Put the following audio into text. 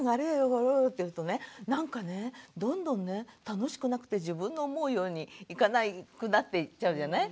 これよと言うとねなんかねどんどんね楽しくなくて自分の思うようにいかなくなっていっちゃうじゃない。